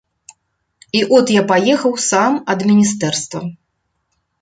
І от я паехаў сам ад міністэрства.